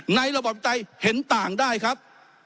ระบบใจเห็นต่างได้ครับ